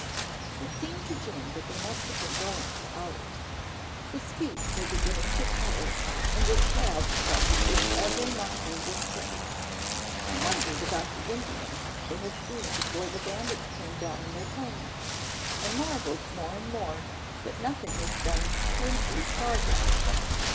It seemed to Jim that they must have been going for hours. His feet were beginning to tire and his calves felt as if every muscle was strained. He wondered about the Indians they had seen before the bandits came down in their plane and marveled more and more that nothing was done to impede progress.